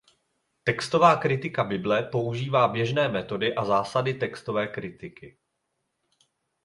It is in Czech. Textová kritika Bible používá běžné metody a zásady textové kritiky.